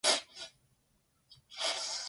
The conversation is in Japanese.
だそい ｈｓｄｇ ほ；いせるぎ ｌｈｓｇ